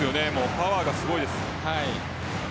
パワーがすごいです。